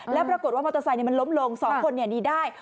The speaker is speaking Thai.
แล้วปรากฏว่ามอเตอร์ไซค์ล้มลงสองคนนี่ได้